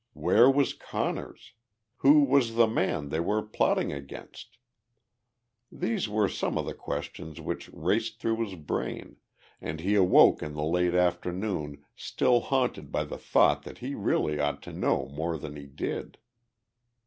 Where was Conner's? Who was the man they were plotting against? These were some of the questions which raced through his brain, and he awoke in the late afternoon still haunted by the thought that he really ought to know more than he did.